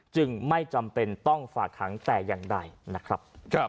จึงไม่จำเป็นต้องฝากขังแต่อย่างใดนะครับ